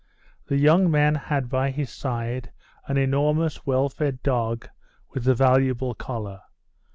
The young man had by his side an enormous, well fed dog, with a valuable collar.